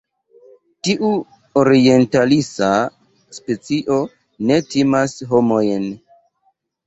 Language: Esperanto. Tiu orientalisa specio ne timas homojn.